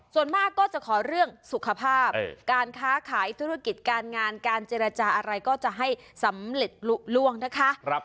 ส่วนมากก็จะขอเรื่องสุขภาพการค้าขายธุรกิจการงานการเจรจาอะไรก็จะให้สำเร็จลุล่วงนะคะ